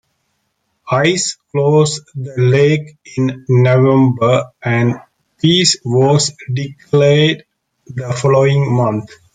Ice closed the lake in November, and peace was declared the following month.